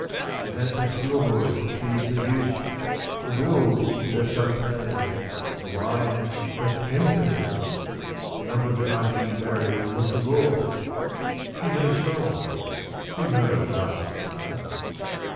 The handsome schoolboys she seduced ! the bills She left unpaid ! the wine ! the tempers ! The number of times she married and was divorced ! She had a soul. You know what artists are.)